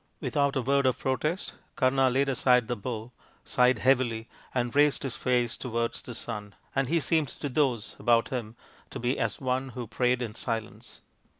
Without a word of protest Kama laid aside the bow, sighed heavily, and raised his face towards the sun ; and he seemed to those about him to be as one who prayed in silence.